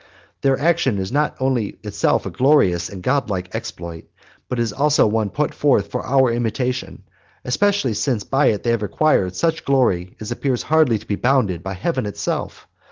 And their action is not only of itself a glorious and godlike exploit, but it is also one put forth for our imitation, especially since by it they have acquired such glory as appears hardly to be bounded by heaven itself.